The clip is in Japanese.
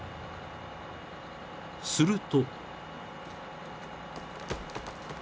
［すると］